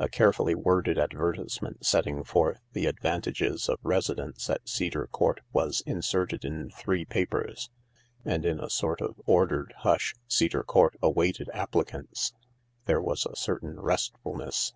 A carefully worded advertisement setting forth the advantages of residence at Cedar Court was inserted in three papers, and in a sort of ordered hush Cedar Court awaited applicants. There was a certain restfulness.